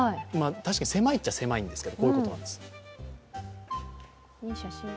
確かに狭いっちゃ狭いんですが、こういうことです。